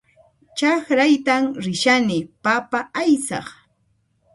Chakraytan rishani papa aysaq